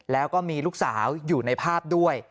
แล้วก็มีลูกสาวอยู่ในภาพด้วย